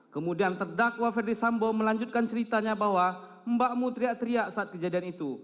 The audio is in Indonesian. kemudian terdakwa ferdis sambo melanjutkan ceritanya bahwa mbakmu teriak teriak saat kejadian itu